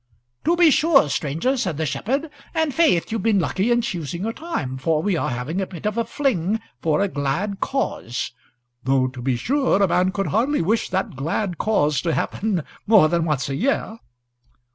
"To be sure, stranger," said the shepherd. "And, faith, you've been lucky in choosing your time, for we are having a bit of a fling for a glad cause though, to be sure, a man could hardly wish that glad cause to happen more than once a year."